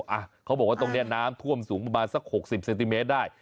อ่ะเขาบอกว่าตรงนี้น้ำท่วมสูงประมาณสัก๖๐เซนติเมตรได้